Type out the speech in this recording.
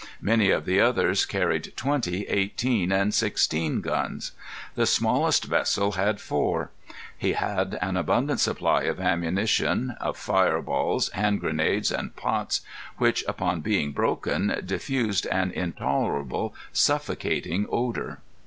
Many of the others carried twenty, eighteen, and sixteen guns. The smallest vessel had four. He had an abundant supply of ammunition, of fire balls, hand grenades, and pots which, upon being broken, diffused an intolerable suffocating odor.